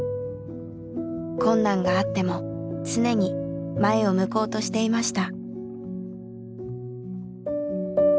困難があっても常に前を向こうとしていました。